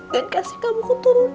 dan kasih kamu keturunan